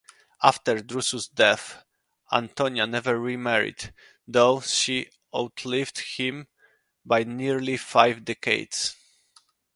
After Drusus' death, Antonia never remarried, though she outlived him by nearly five decades.